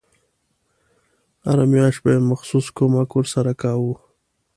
هره میاشت به یې مخصوص کمک ورسره کاوه.